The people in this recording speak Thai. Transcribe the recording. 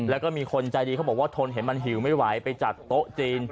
แล้วก็มีคนใจดีเขาบอกว่าทนเห็นมันหิวไม่ไหวไปจัดโต๊ะจีน